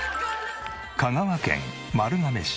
香川県丸亀市